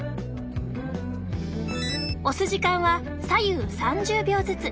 押す時間は左右３０秒ずつ。